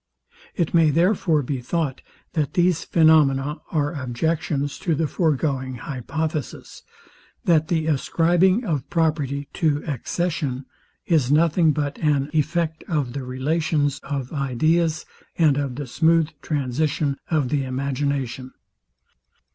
It may therefore be thought, that these phaenomena are objections to the foregoing hypothesis, THAT THE ASCRIBING OF PROPERTY TO ACCESSION IS NOTHING BUT AN AFFECT OF THE RELATIONS OF IDEAS, AND OF THE SMOOTH TRANSITION OF THE IMAGINATION.